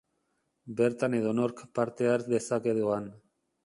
Bertan edonork parte har dezake doan.